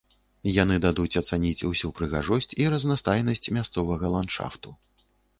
Яны дадуць ацаніць усю прыгажосць і разнастайнасць мясцовага ландшафту.